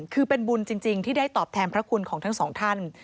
คือเป็นบุญจริงที่ได้ตอบแทนพระคุณของทั้งสองท่าน